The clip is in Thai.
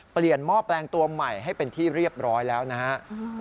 หม้อแปลงตัวใหม่ให้เป็นที่เรียบร้อยแล้วนะครับ